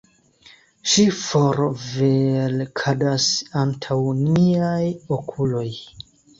Ŝi forvelkadas antaŭ miaj okuloj.